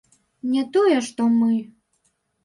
Не тое што мы!